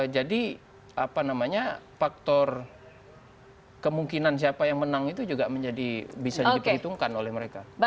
jadi faktor kemungkinan siapa yang menang itu juga bisa diperhitungkan oleh mereka